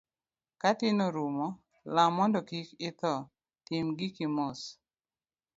Ka tin orumo, lam mondo kiki itho, tim giki mos.